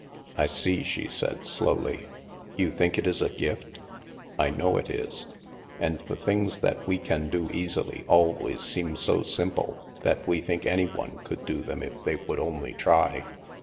" I see," she said slowly ;" you think it is a gift? "" I know it is. And the things that we can do easily always seem so simple that we think any one could do them if they would only try."